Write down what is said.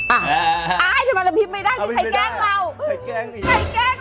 อ่าจำเป็นหลับพิภให้แกล้งเรา